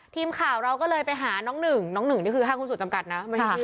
ทีมข่าวเราก็เลยไปหาน้องหนึ่งน้องหนึ่งนี่คือห้างหุ้นส่วนจำกัดนะ